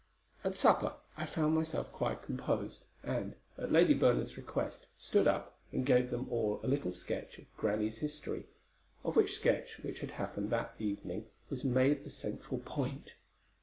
"At supper I found myself quite composed, and, at Lady Bernard's request, stood up, and gave them all a little sketch of grannie's history, of which sketch what had happened that evening was made the central point.